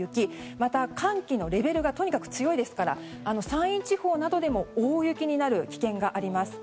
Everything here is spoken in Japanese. また、寒気のレベルがとにかく強いですから山陰地方などでも大雪になる危険があります。